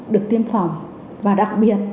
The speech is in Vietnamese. được tiêm phòng và đặc biệt